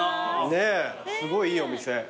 ねえすごいいいお店。